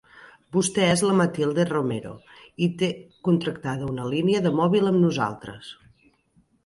Vostè és la Matilde Romero i té contractada una línia de mòbil amb nosaltres.